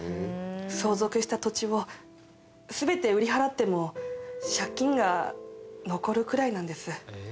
相続した土地を全て売り払っても借金が残るくらいなんです